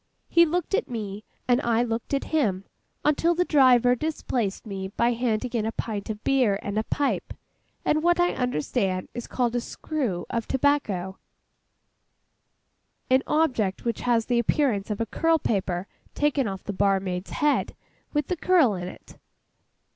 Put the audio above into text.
He looked at me, and I looked at him, until the driver displaced me by handing in a pint of beer, a pipe, and what I understand is called 'a screw' of tobacco—an object which has the appearance of a curl paper taken off the barmaid's head, with the curl in it.